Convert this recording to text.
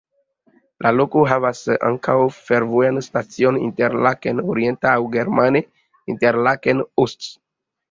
La loko havas ankaŭ fervojan stacion Interlaken orienta aŭ germane "Interlaken Ost.